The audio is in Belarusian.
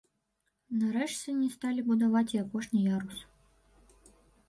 Нарэшце, не сталі будаваць і апошні ярус.